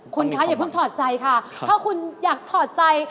คุณคะอย่าเพิ่งถอดใจค่ะถ้าคุณอยากถอดใจ